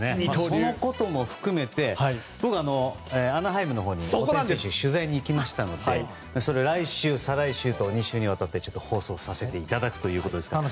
そのことも含めて僕、アナハイムのほうに大谷選手に取材に行きましたのでそれは来週、再来週と２週にわたって放送させていただくということですから。